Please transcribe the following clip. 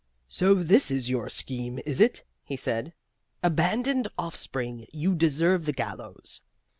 "So this is your scheme, is it?" he said. "Abandoned offspring, you deserve the gallows."